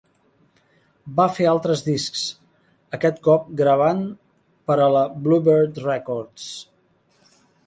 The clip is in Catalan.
Va fer altres discs, aquest cop gravant per a la Bluebird Records.